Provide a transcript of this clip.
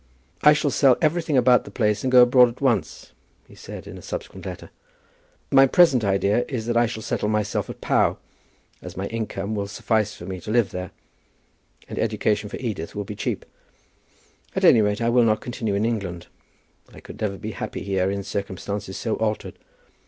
"I shall sell everything about the place and go abroad at once," he said in a subsequent letter. "My present idea is that I shall settle myself at Pau, as my income will suffice for me to live there, and education for Edith will be cheap. At any rate I will not continue in England. I could never be happy here in circumstances so altered.